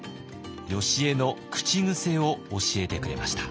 よしえの口癖を教えてくれました。